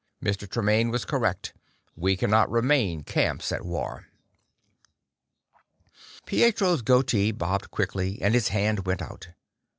Tremaine was correct; we cannot remain camps at war." Pietro's goatee bobbed quickly, and his hand went out.